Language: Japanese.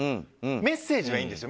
メッセージはいいんですよ。